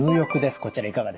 こちらいかがですか？